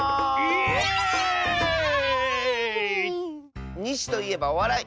イエーイ！にしといえばおわらい！